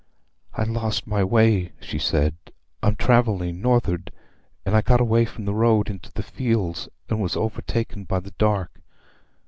"I lost my way," she said. "I'm travelling—north'ard, and I got away from the road into the fields, and was overtaken by the dark.